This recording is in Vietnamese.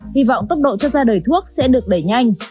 hy vọng tốc độ cho ra đời thuốc sẽ được đẩy nhanh